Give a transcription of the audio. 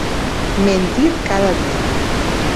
Mentir cada dia!